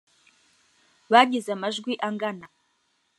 bagize amajwi angana.